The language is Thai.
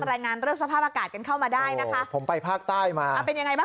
รายงานเรื่องสภาพอากาศกันเข้ามาได้นะคะผมไปภาคใต้มาอ่าเป็นยังไงบ้าง